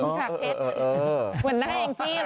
เหมือนหน้าแองจี้หรอ